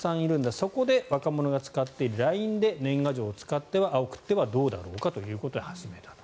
そこで若者が使っているＬＩＮＥで年賀状を送ってはどうだろうかということで始めたと。